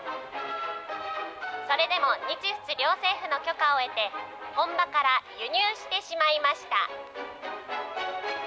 それでも日仏両政府の許可を得て、本場から輸入してしまいました。